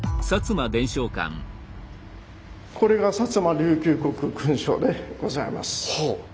これが摩琉球国勲章でございます。